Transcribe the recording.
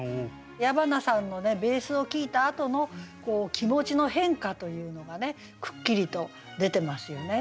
矢花さんのベースを聴いたあとの気持ちの変化というのがくっきりと出てますよね。